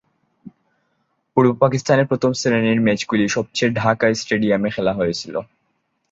পূর্ব পাকিস্তানে প্রথম-শ্রেণীর ম্যাচগুলি সবচেয়ে ঢাকা স্টেডিয়ামে খেলা হয়েছিল।